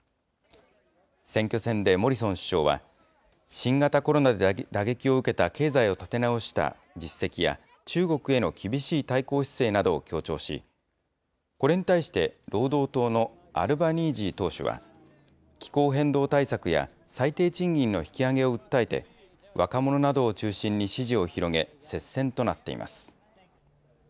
選挙戦でモリソン首相は、新型コロナで打撃を受けた経済を立て直した実績や、中国への厳しい対抗姿勢などを強調し、これに対して労働党のアルバニージー党首は、気候変動対策や、最低賃金の引き上げを訴えて、若者などを中心に支持を広げ、接戦となっています。